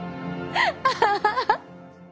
アハハハ。